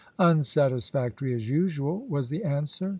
"Unsatisfactory as usual," was the answer.